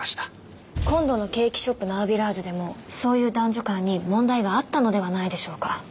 今度のケーキショップ・ナウビラージュでもそういう男女間に問題があったのではないでしょうか？